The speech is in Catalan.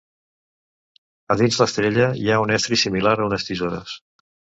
A dins l'estrella hi ha un estri similar a unes tisores.